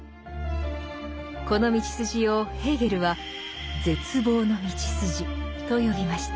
この道筋をヘーゲルは「絶望のみちすじ」と呼びました。